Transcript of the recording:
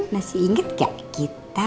masih inget gak kita